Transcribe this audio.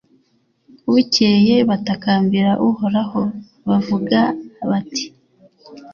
bukeye, batakambira uhoraho, bavuga bati